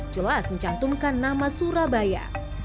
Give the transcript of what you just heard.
jelas mencantumkan nama surabaya